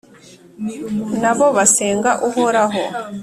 na bo basenga Uhoraho,